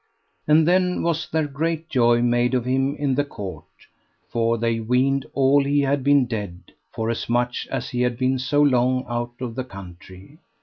And then was there great joy made of him in the court, for they weened all he had been dead, forasmuch as he had been so long out of the country.